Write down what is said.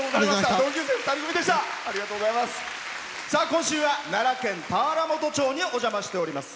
今週は奈良県田原本町にお邪魔しております。